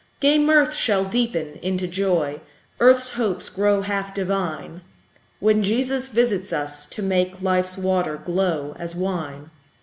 Gay mirth shall deepen into joy, Earth's hopes grow half divine, When Jesus visits us, to make Life's water glow as wine.